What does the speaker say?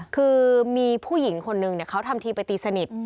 คือมีผู้หญิงคนนึงเขาทำทีไปตีสนิท